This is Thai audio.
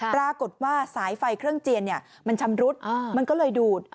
ปรากฏว่าสายไฟเครื่องเจียนมันชำรุดมันก็เลยดูด